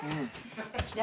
左。